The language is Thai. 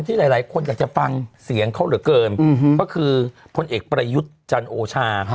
หลายคนอยากจะฟังเสียงเขาเหลือเกินก็คือพลเอกประยุทธ์จันโอชา